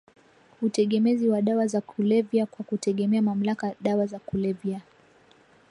utegemezi wa dawa za kulevyaKwa kutegemea mamlaka dawa za kulevya